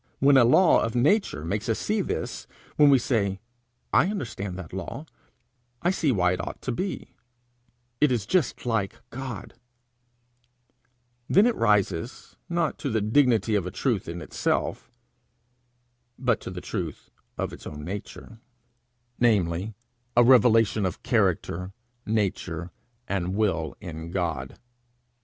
When a law of Nature makes us see this; when we say, I understand that law; I see why it ought to be; it is just like God; then it rises, not to the dignity of a truth in itself, but to the truth of its own nature namely, a revelation of character, nature, and will in God.